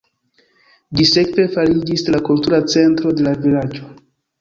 Ĝi sekve fariĝis la kultura centro de la vilaĝo.